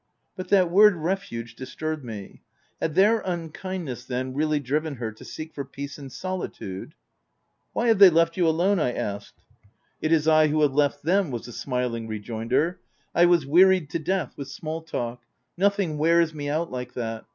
But that word refuge disturbed me. Mad their unkindness then really driven her to seek for peace in solitude ? 168 THE TENANT " Why have they left you alone ?" I asked. " It is I who have left them/' was the smiling rejoinder. u I was wearied to death with small talk — nothing wears me out like that.